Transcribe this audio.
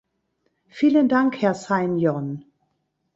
Vielen Dank, Herr Sainjon.